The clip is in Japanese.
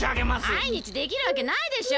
まいにちできるわけないでしょ。